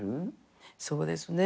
そうですね。